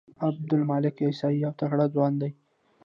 عبدالمالک عاصي یو تکړه ځوان دی.